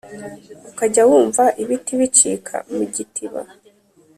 ukajya wumva ibiti bicika mu gitiba,